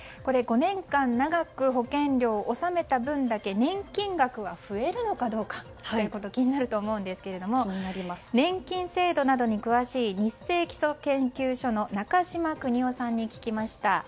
５年間長く保険料を納めた分だけ年金額が増えるのかどうかということ気になると思うんですけれども年金制度などに詳しいニッセイ基礎研究所の中嶋邦夫さんに聞きました。